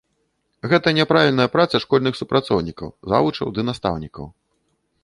Гэта няправільная праца школьных супрацоўнікаў, завучаў ды настаўнікаў.